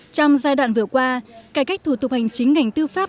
trong giai đoạn vừa qua cải cách thủ tục hành chính ngành tư pháp